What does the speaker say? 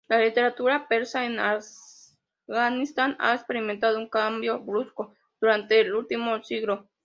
La literatura persa en Afganistán ha experimentado un cambio brusco durante el último siglo.